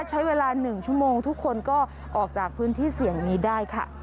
ใช้เวลา๑ชั่วโมงทุกคนก็ออกจากพื้นที่เสี่ยงนี้ได้ค่ะ